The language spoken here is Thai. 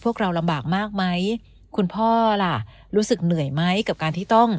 พวกเราลำบากมากไหมคุณพ่อล่ะรู้สึกเหนื่อยไหมกับการที่ต้อง